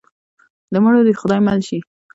د مړو دې خدای مل شي.